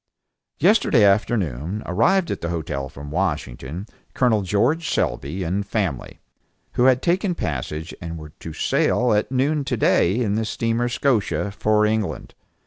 Yesterday afternoon arrived at the hotel from Washington, Col. George Selby and family, who had taken passage and were to sail at noon to day in the steamer Scotia for England.